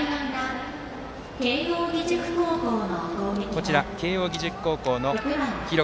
こちら慶応義塾高校の記録